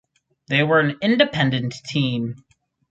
They were an independent team.